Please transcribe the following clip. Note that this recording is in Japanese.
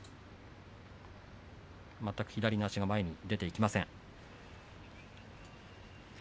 全く左の足が前に出ていきません。